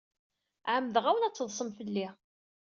Ɛemmdeɣ-awen ad teḍsem fell-i.